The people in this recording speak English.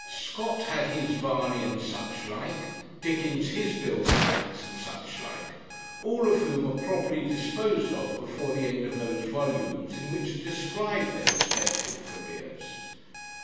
Scott had his Varney and such like; Dickens his Bill Sykes and such like; all of whom are properly disposed of before the end of those volumes in which are described their respective careers.